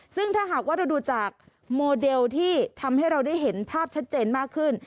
ซึ่งถ้าหากว่าเราดูจากโมเดลที่ทำให้เราได้เห็นภาพชัดเจนมากขึ้น